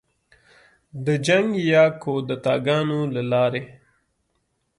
د جنګ یا کودتاه ګانو له لارې